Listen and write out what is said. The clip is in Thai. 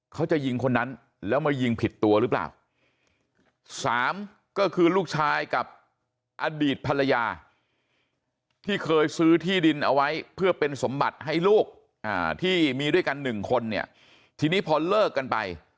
เขาจะยิงคนนั้นแล้วมายิงผิดตัวหรือเปล่าสามก็คือลูกชายกับอดีตภรรยาที่เคยซื้อที่ดินเอาไว้เพื่อเป็นสมบัติให้ลูกที่มีด้วยกันหนึ่งคนเนี่ยทีนี้พอเลิกกันไป